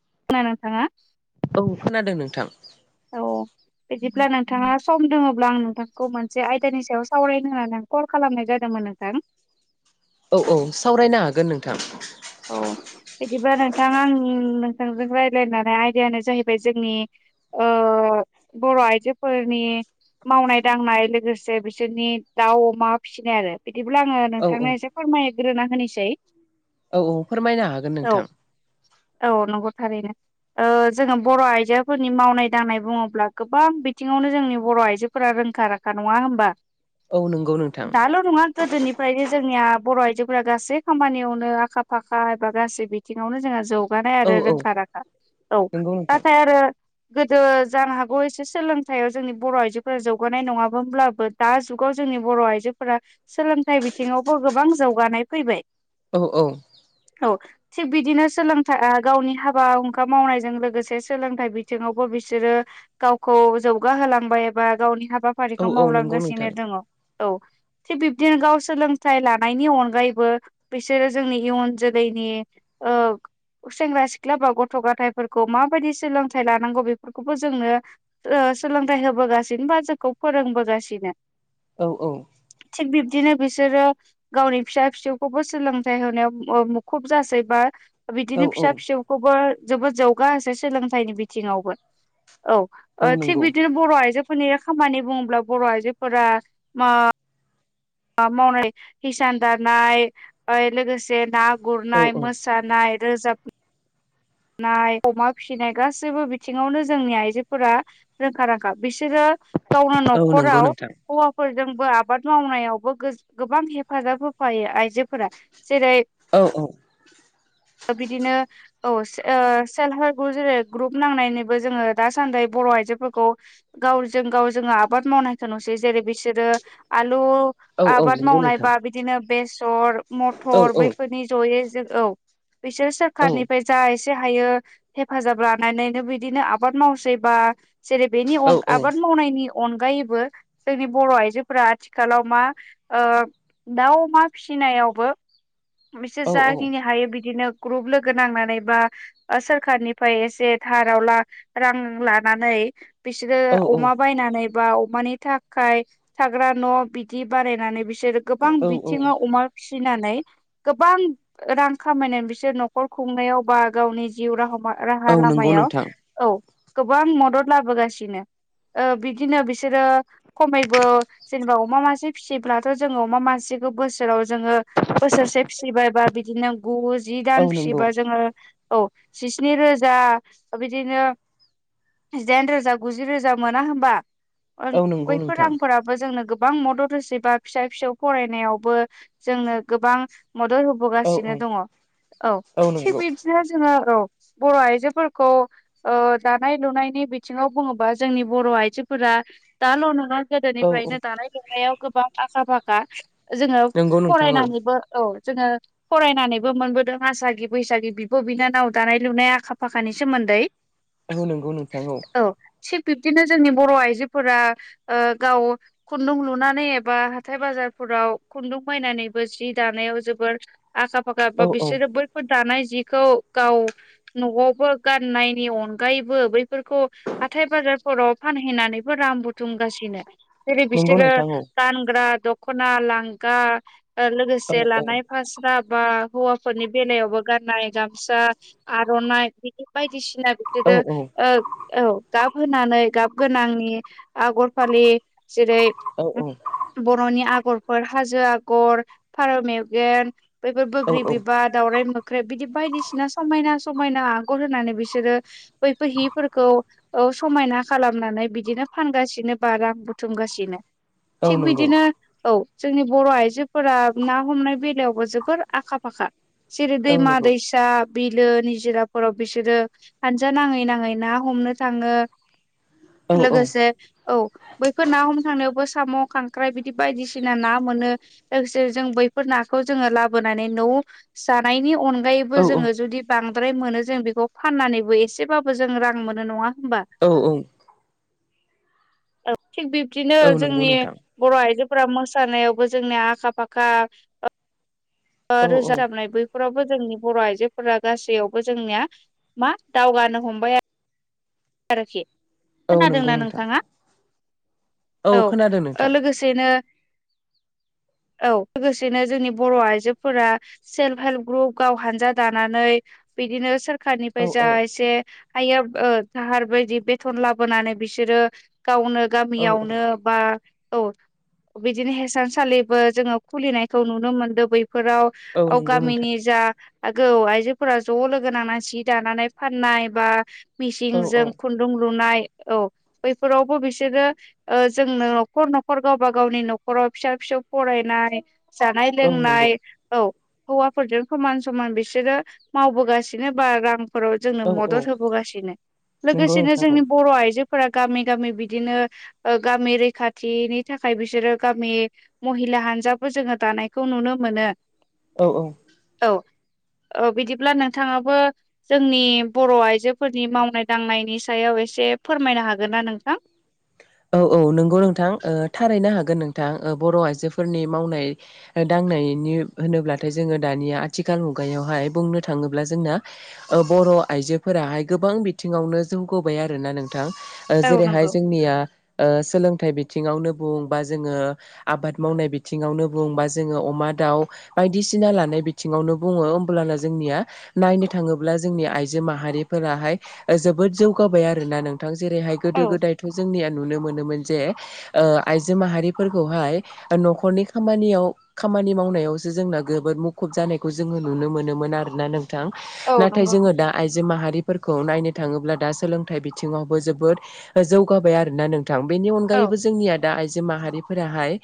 [unintelligible] औ खोनादों नोंथां। औ बिदिब्ला नोंथाङा सम दङब्ला आं नोंथांखौ मोनसे आयदानि सायाव सावरायनो होननानै आं कल खालामनाय जादों [unintelligible] औ-औ सावरायनो हागोन नोंथां। अह बिदिबा नों नोंथां आं नोंथांजों रायज्लायनानै आयदायानो जाहैबाय जोंनि ओ- बर' आइजोफोरनि मावनाय दांनाय लोगोसे बिसोरनि दाउ अमा फिसिनाय आरो बिदिब्ला आङो औ नोंथांनो एसे फोरमायग्रोना होनोसै। औ-औ फोरमायनो हागोन नोंथां। औ-औ नंगौ थारैनो। ओ- जोङो बर' आइजोफोरनि मावनाय दांनाय बुङोब्ला गोबां बिथिङावनो जोंनि बर' आइजोफोरा रोंखा राखा नङा होनबा? औ नंगौ नोंथां दाल' नङा गोदोनिफ्रायनो जोंनिया बर' आइजोफोरा गासै खामानियावनो आखा फाखा एबा गासै बिथिङावनो जोङो जौ गानाय औ आरो औ रोंखा राखा औ नंगौ नोंथां नाथाय आरो गोदो जानो हागौ एसे सोलोंथाइयाव जोंनि बर' आइजोफोरा जौगानाय नङामोनब्लाबो दा जुगाव जों जोंनि बर' आइजोफोरा सोलोंथाइ बिथिङावबो गोबां जौगानाय फैबाय। औ-औ औ थिग बिदिनो सोलोंथाइ गावनि हाबा हुंखा मावनायजों लोगोसे सोलोंथाइ बिथिङावबो बिसोरो गावखौ जौगाहोलांबाय एबा गावनि औ हाबाफारिखौ औ नंगौ नोंथां मावलांगासिनो दङ। औ थिग बिब्दिनो गाव सोलोंथाइ लानायनि अनगायैबो बिसोरो जोंनि इयुन जोलैनि ओ सेंग्रा सिख्ला बा गथ' गथायफोरखौ माबायदि सोलोंथाइ लानांगौ बेफोरखौबो जोंनो ओ सोलोंथाइ होबोगासिनो बा जोंखौ फोरोंबोगासिनो। औ-औ थिग बिबदिनो बिसोरो गावनि फिसा फिसौखौबो सोलों फिथाइ होनायाव मुखुब जासै बा औ बिदिनो फिसा फिसौखौबो जोबोद जौगा होसै सोलोंथाइनि बिथिङावबो। औ थिग बिदिनो बर' आइजो फोरनि खामानि बुङोब्ला बर' आइजोफोरा मा मावनाय हिसान दानाय लोगोसे ना औ गुरनाय औ मोसानाय रोजाब नाय अमा फिसिनाय गासैबो बिथिङावनो जोंनि आइजोफोरा रोंखा रांखा। बिसोरो गावनो औ नंगौ न'खराव नोंथां हौवाफोरजों आबाद मावनायावबो गोबां हेफाजाब होफायो आ जोफोरा जेरै औ बिदिनो औ ओ सेल्फ हेल्प ग्रुप जेरै ग्रुप नांनायनिबो जोङो दासान्दि बर' आइजोफोरखौ गावजों जो आबाद मावनायखौ नुसै जेरै बिसोर आलु औ औ आबाद नंगौ नोंथां मावनायबा बिदिनो बेसर औ मथर बैफोरनि जयै औ बिसोर औ सोरखारनिफ्राय जा एसे हायो हेफाजाब लानानैनो बिदिनो आबाद मावसैबा जेरै बेनि अन आबाद मावनायनि अनगायैबो जोंनि बर' आइजोफोरा आथिखालाव मा ओ दाउ मा फिसि नायावबो बिसोर जाखिनि हायो बिदिनो ग्रुप लोगो नांनानै बा सोरखारनिफ्राय एसे थाराव रां लानानै बिसोरो अमा बायनानै बा अमानि थाखाय थाग्रा न' बिदि बानायनानै बिसोरो गोबां बिथिङाव अमा फिसिनानै गोबां रां खामायनानै बिसोर न'खर खुंनायाव बा गावनि जिउ राहा राहा नंगौ लामायाव नोंथां औ गोबां मद'द लाबोगासिनो। ओ बिदिनो बिसोरो खमैबो जेनेबा अमा मासे फिसियोब्लाथ' जोङो अमा मासे बोसोराव जोङो बोसोरसे फिसिबायबा बिदिनो गु जि औ दान नंगौ फिसिबा जोङो औ जिस्नि रोजा बिदिनो जिदाइन रोजा गुजि रोजा मोना होनोमबा औ नंगौ बैफोर नोंथां रांफोराबो जोंनो गोबां गोबां मद'द होसैबा फिसा फिसौ फरायनायावबो जोंनो गोबां मद'द औ होबोगासिनो दङ। औ थिग बिबदिनो जोङो औ बर' आइजोफोरखौ ओ दानाय लुनायनि बिथिङाव बुङोबा जोंनि बर' आइजोफोरा दाल' नङा औ गोदोनिफ्रायनो दानाय लुनायाव गोबां आखा फाखा जोङो नंगौ नोंथां औ फरायनानैबो औ जोङो फरायनानैबो मोनबोदों आसागि बैसागि बिब' बिनानाव दानाय लुनाय आखा फाखानि सोमोन्दै औ नंगौ नोंथां औ। थिग बिबदिनो जोंनि बर' आइजोफोरा गाव खुन्दुं लुनानै एबा हाथाय बाजार बाजारफोराव खुन्दुं बायनानैबो जि दानायाव जोबोर आखा फाखा बा औ औ बिसोरो बैफोर दानाय जिखौ गाव न'आवबो गाननायनि अनगायैबो बैफोरखौ हाथाय बाजारफोराव फानहैनानैबो रां बुथुमगासिनो जेरै नंगौ बिसोरो नोंथां औ गानग्रा दख'ना लांगा औ लोगोसे लानाय फास्रा बा हौवाफोरनि बेलायावबो गाननाय गामसा आर'नाइ बिदि बायदि बायदिसिना बिदिनो औ गाब होनानै गाब गोनांनि आगर फालि जेरै औ बर'नि आगरफोर हाजो आगर फारौ मेगेन बैफोर बैग्रि औ बिबार दावउराय मोख्रेब बिदि बायदिसिना समायना समायना आगर होनानै बिसोरो बैफोर हिफोरखौ समायना खालामनानै बिदिनो फानगासिनो बा रां बुथुमगासिनो औ थिग नंगौ बिदिनो औ। जोंनि बर' आइजोफोरा ना हमनाय बेलायावबो जोबोर आखा फाखा जेरै औ दैैमा नंगौ दैैसा बिलो निजिराफोराव बिसोरो हानजा नाङै नाङै ना हमनो थाङो। औ औ लोगोसे औ बैफोर ना हम थांनायावबो साम' खांख्राय बिदि बायदिसिना ना मोनो। जों बैफोर नाखौ जोङो लाबोनानै न' जानायनि औ अनगायैबो जोङो जुदि बांद्र बांद्राय मोनो जों बेखौ फाननानैबो एसेबाबो जों रां मोनो नङा होमबा औ-औ। औ थिग बिब्दिनो औ नंगौ जोंनि नोंथां बर' आइजो ्रा मोसानायावबो जोंनि आखा फाखा औ औ रोज जाबनाय ब न फोरावबो जोंनि बर' आइजोफोरा गासैयावबो जोंनिया मा दावगानो हमबाय आरो आरोखि औ नंगौ खोनादोंना नोंथां नोंथाङा औ खोनादों नोंथां लोगोसेनो औ लोगोसेनो जोंनि बर' आइजो फोर सेल्फ हेल्प ग्रुप गाव हानजा दानानै बिदिनो औ खारनिफ्राय जा औ एसे हाया दाहार बायदि बेथन लाबोनानै बिसोरो गावनो औ औ गामियावनो बा औ बिदिनो हेसानसालिबो जोङो खुलिनायखौ नुनो मोनदों बै फोराव औ नंगौ नोंथां गामिनि जा आगौ आइजोफोरा ज' लोगो नांना जि दानानै फाननाय बा औ औ मिसिंजों खुन्दुं लुनाय औ बैफोरावबो बिसोरो जोंनो न'खर न'खर गावबा गावनि न'खराव फिसा फि फिसौ फरायनाय जानाय औ नंगौ लोंनाय औ हौवाफोरजों समान समान बिसोरो मावबोगासिनो बा रां फोराव जोंनो औ औ मदद होबोगासिनो नंगौ लोगोसेनो नोंथां जोंनि बर' आइजो फोर गामि गामि बिदिनो गामि रैखाथिनि थाखाय बिसोरो गामि महि मला हानजाबो जोङो दानायखौ नुनो मोनो औ औ औ बिदिब्ला नोंथाङाबो जोंनि बर' आइजोफोरनि मावनाय दांनायनि सायाव एसे एसे फोरमायनो हागोन ना नोंथां औ औ नंगौ नोंथां थारैनो हागोन नोंथां बर' आइजोफोरनि मावनाय दांनायनि होनोब्लाथाय जोङो दानि आथिखाल मुगायाव हाय बुंनो थाङोब्ला जोंना बर' आइजोफोराहाय गोबां बिथिङावनो जौगाय आरोोना नों ां औ नंगौ जेरैहाय जोंनिया सोलोंथाइ बिथिङावनो बुं बा जोङो आबाद मावनाय बिथिङावनो बुंबा जोङो अमा ा दाउ बायदिसिना लानाय बिङावनो बुङो होमब्लाना जोंनिया नायनो थाङोब्ला जोंनि आइ आजो माहारिफोराहाय जोबोद जौगाबाय आरोोना नोंथां जेरैहाय गोदो औ गोदायथ' जोंनि नो मोनोमोन ज आइजो माहारिफोरखौहाय न'खरनि खामानियाव खामानि मावनायावसो जोंना जबोद मुखुब जानायखौ जोङो नुनो मोनोमोन आरोना नों औ नाथाय नंगौ जोङो नोंथां दा आइजो माहारि फोरखौ नायनो थाङोब्ला दा सोलोंथाइ बिथिङावबो जोबोद जौगाबाय आरोोना नों थां बेनि औ अनगायैबो जोंनिया दा आइजो माहारिफोराहाय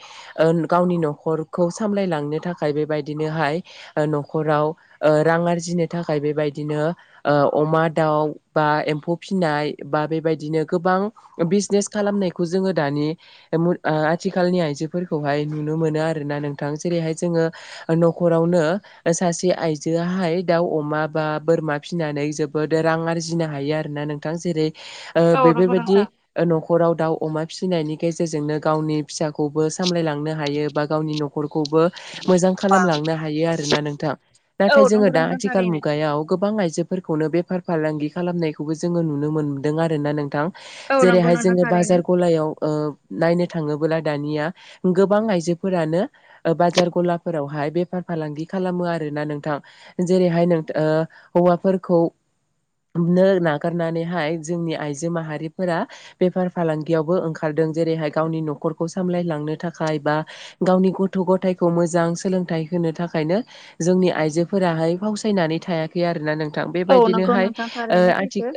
गावनि न'खरखौ सामलायलांनो थाखाय बेबायदिनोहाय न'खराव रां आरजिनो थाखाय बेबायदिनो अमा दाउ बा एम्फौ फिसिनाय बा बेबायदिनो गोबां बिजनेस खालामनायखौ जोङो दानि आथिखालनि आइजोफोरखौहाय नुनो मोनो आरोना नोंथां ज दा बा बोरा माबा फिसिनानै जोबोद रां आरजिनो हायो आरोोना नोंथां जेरै औ नंगौ बेफोरबायदि नोंथां न'खराव दाउ अमा फिसिनायनि गेजेरजोंनो गावनि फिसाखौबो सामलायलांनो हायो बा गावनि न'खरखौबो मोजां खालामलांनो हायो आरोना नोंथां औ नाथाय जोङो नंगौ दा नोंथां आथिखाल थारैनो मुगायाव गोबां आइजो फोरखौनो बेफार फालांगि खालामनायखौबो जोङो नुनो मोनदों आरोना नोंथां औ नंगौ जेरैहाय नोंथां जोङो थारैनो बाजार गलायाव नायनो थाङोबला दानिया गोबां आइजोफोरानो बाजार गलाफोरावहाय बेफार फालांगि खालामो आरोना नोंथां जेरैहाय नोंथां हौवाफोरखौ नो नागारनानैहाय जोंनि आइजो माहारि फोर बेफार फालांगियावबो ओंखारदों जेरैहाय गावनि न'खरखौ सामलायलांनो थाखाय बा गावनि गथ गथायखौ मोजां सोलोंथाइ होनो थाखायनो जोंनि आइजोफोराहाय फावसायनानै थायाखै आरोना नोंथां औ नंगौ बेबायदिनोहाय नोंथां थारैनो आथि सैथो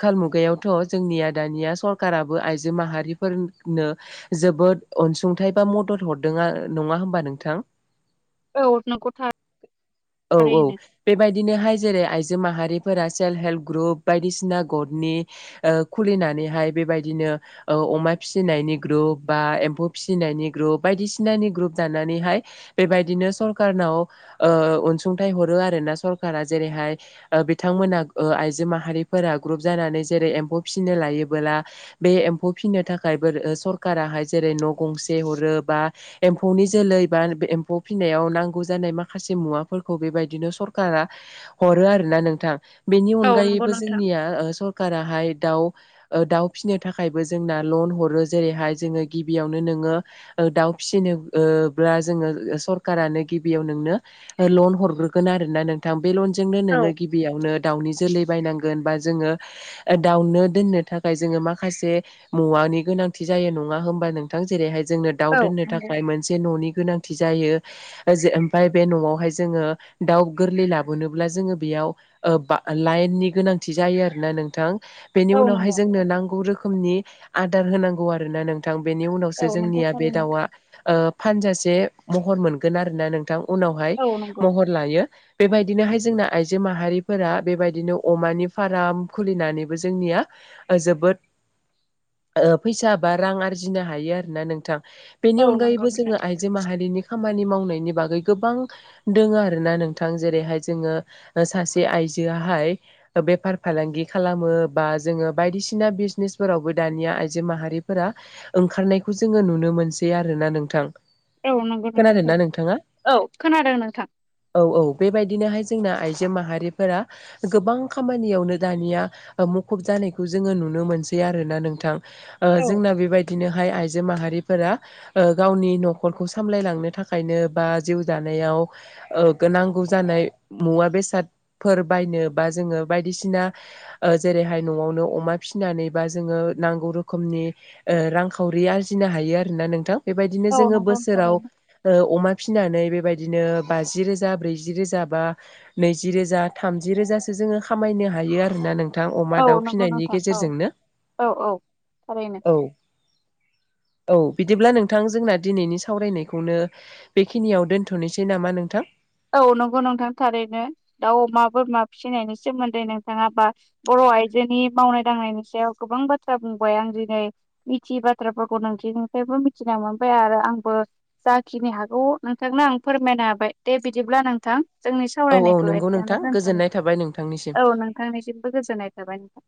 खााल मुगायावथ जोंनिया दानिया सरकाबो आइजो माहारिफोरनो जोबोद अनसुंथाइ बा मदद हरदों नङा होमबा नोंथां औ नंगौ औ औ थारैनो बेबायदिनोहाय जेरै आइजो माहारि सेल्प हेल्प ग्रुप बायदिसिना गनि खुलिनानैहाय बेबायदिनो अमा फिसिनायनि ग्रुप बा एम्फौ फिसिनायनि ग्रुप बायदिसिनानि ग्रुप दानानैहाय बेबायदिनो सरखारनाव ओ अनसुंथ हरो आरोना सरकारा जेरैहाय बिथांमोना आइजो माहारिफोरा ग्रुप जानानै जेरै एमफौ फिसिनो लायोबोला बे एम्फौ फिसिनो थाखायबो सरखाराहाय जेरै न' गंसे हरो बा एम्फौनि जोलै बा एम्फौ फिसिनायाव नांगौ जानाय माखासे मुवाफोरखौ बेबायदिनो सरखारा हरो आरोना नोंथां बेनि औ नंगौ अनगायैबो नोंथां जोंनिया सरखाराहाय दा दाउ फिसिनो थाखायबो जोंना लन हरो जेरैहाय जोङो गिबियावनो नोङो दाउ फिसिनोब्ला जोंङो सरखारारानो गिबियाव नोंनो लन हरग्रोगोन आरो नोंथां बे लनजोंनो औ नोंङो गिबियावनो दाउनि जोलै बायनांगोन बा जोङो दाउनो दोननो थाखाय जोंङो माखासे मुवानि गोनांथि जायो नङा होमबा नोंथां जेरैहाय जोंनो दाउ औ दोननो नंगौ थाखाय मोनसे न'नि गोनां जायो ओमफ्राय बे न'आवहाय जोङो दाउ गोरलै लाबोनोबब्ला जोङो लाइननि गोनांथि जायो आरोना नोंथां बेनि औ उनावहाय नंगौ जोंनो नांगौ रोखोमनि आदार होनांगौ आरोना नोंथां बेनि औ उनावसो नंगौ जोंनिया बे थारैनो दाउआ फानजासे महर मोनगोन आरोना नोंथां बिथां उनावहाय औ नंगौ महर लायो बेबायदिनोहाय जोंना आइजो माहारिफोरा बेबायदिनो अमानि फार्म खुलिनानै जोंनिया जोबोद फैसा बा रां आरजिनो हायो आरोना नोंथां बेनि औ नंगौ अनगायैबो नोंथां जोङो आइजो माहारिनि खामानि मावनायनि बागै गोबां दङ आरोना नोंथां जेरैहाय जोङो सासे आइ आयजोआहाय बेफार फालांग खालामो बा जोङो बायदिसिना बिजनेसफोरावबो दानिया आइजो माहारिफोरा ओंखारनायखौ जोङो नुनो मोनसे आरोना नोंथां औ नंगौ नंगौ खोनादोंना नोंथाङा सार औ खोनादों नोंथां औ औ बेबायदिनोहाय जोंना आइजो माहारिफोरा गोबां खामानियावनो दानिया मुखुब जानायखौ जोङो नुनो मोनसै आरोना नोंथां औ जोंना बेबायदिनो ओमफाहाय आइजो माहारिफोरा गावनि न'खरखौ सामलायलांनो थाखायनो बा जिउ जानायाव औ नांगौ जानाय मुवा बेसादफोर बायनो बा जोङो बायदिसिना जेरैहाय न'आवनो अमा फिसिनानै बा जोङो नांगौ रोखोमनि रांखावरि आरजि होनो नोंथां बेबायदिनो औ जों नंगौ बोसोराव थारैनो फिनानै बेबायदिनो बाजि रोजा ब्रैजि रोजा बा नैजि रोजा थामज रोजा जोङो खामायनो हायो आरोना नों नोंथां अमा औ दाउ नंगौ फिनायनि नोंथां औ गेजेरजोंनो औ औ थारैनो औ [inaudible] औ बिदिब्ला नोंथां जोंना दिनैनि सावरायनायखौनो बेखिनियाव दोनथ'नोसै नामा नोंथां औ नंगौ नोंथां थारैनो दाउ अमा बोरमा फिसिनायनि सोमोन्दै नोंथाङा बा बर' आइजोनि मावनाय दांनायनि सायाव गोबां बाथ्रा बुंबाय आं दिनै मिथिय बाथ्राफोरखौ नोंसि आमफ्रायबो मिथिना मोनबाय आरो आंबो जाखिनि हागौ नोंथांनो आं फोरमायनो हाबाय दे बिदिब्ला नोंथां जोंनि औ औ सावरायनायखौ नंगौ एसेयनो नोंथां गोजोननाय थाबाय नोंथांनिसिम दोनथ'नोसै औ नोंथांनिसिमबो गोजोननाय थाबाय नोंथां